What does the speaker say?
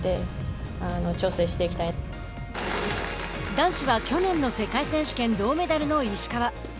男子は去年の世界選手権銅メダルの石川。